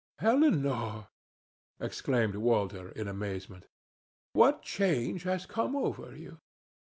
"Elinor," exclaimed Walter, in amazement, "what change has come over you?"